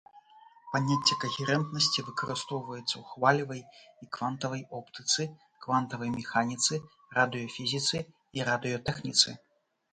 Паняцце кагерэнтнасці выкарыстоўваецца ў хвалевай і квантавай оптыцы, квантавай механіцы, радыёфізіцы і радыётэхніцы.